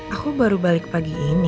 aku baru balik pagi ini